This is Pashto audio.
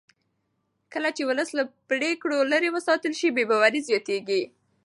کله چې ولس له پرېکړو لرې وساتل شي بې باوري زیاتېږي